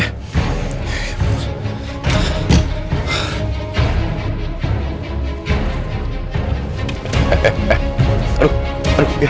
om bawa kamu ke rumah sakit ya